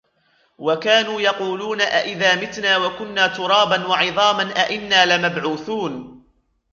وَكَانُوا يَقُولُونَ أَئِذَا مِتْنَا وَكُنَّا تُرَابًا وَعِظَامًا أَئِنَّا لَمَبْعُوثُونَ